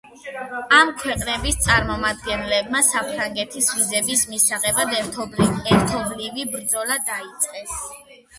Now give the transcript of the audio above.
ამ ქვეყნების წარმომადგენლებმა, საფრანგეთის ვიზების მისაღებად ერთობლივი ბრძოლა დაიწყეს.